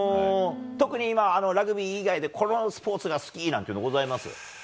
特に今、ラグビー以外でこのスポーツが好きってございます？